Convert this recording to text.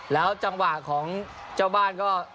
แล้วจังหวะของเจ้าบ้านก็